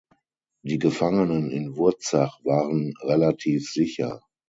Die Gefangenen in Wurzach waren relativ sicher.